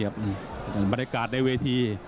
บรรยากาศในเวที